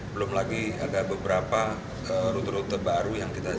belum lagi ada beberapa rute rute baru yang kita siapkan